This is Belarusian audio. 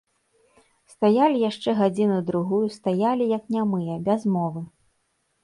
Стаялі яшчэ гадзіну-другую, стаялі, як нямыя, без мовы.